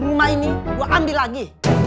rumah ini gue ambil lagi